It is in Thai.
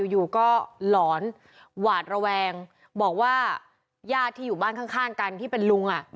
อยู่ก็หลอนหวาดระแวงบอกว่าญาติที่อยู่บ้านข้างกันที่เป็นลุงอ่ะ